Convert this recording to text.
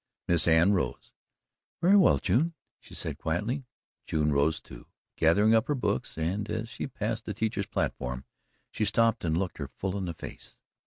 Miss Anne rose: "Very well, June," she said quietly. June rose, too, gathering up her books, and as she passed the teacher's platform she stopped and looked her full in the face.